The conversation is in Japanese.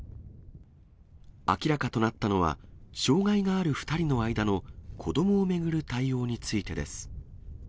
明らかとなったのは、障がいがある２人の間の子どもを巡る対応についてです。